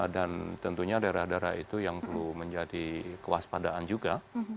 dan tentunya daerah daerah itu yang perlu menjadi kewaspadaan juga